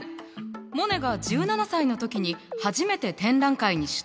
モネが１７歳の時に初めて展覧会に出展した作品。